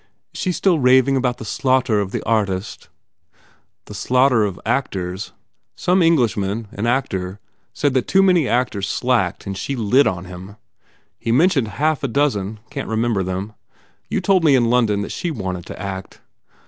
Is she still raving about the slaughter of the artist ?" "The slaughter of actors. Some Englishman an actor said that too many actors slacked and she lit on him. He mentioned half a dozen can t remember them. You told me in London that she wanted to act?"